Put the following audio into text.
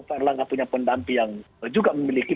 pak erlangga punya pendamping yang juga memiliki